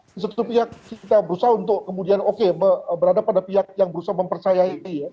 di satu pihak kita berusaha untuk kemudian berada pada pihak yang berusaha mempercayai